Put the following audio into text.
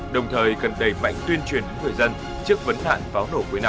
đồng thời cần đẩy mạnh tuyên truyền đến người dân trước vấn đạn pháo nổ cuối năm